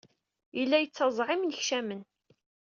Yella yetteẓẓeɛ imennekcamen.